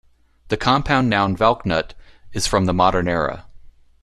The compound noun "valknut" is from the modern era.